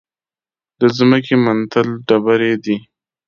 د ځمکې منتل ډبرې دي.